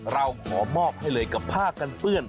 เราขอมอบให้เลยกับผ้ากันเปื้อน